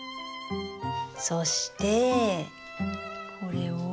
そしてこれを。